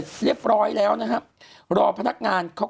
คุณหนุ่มกัญชัยได้เล่าใหญ่ใจความไปสักส่วนใหญ่แล้ว